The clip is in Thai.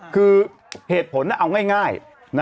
คือเหตุผลเอาง่าย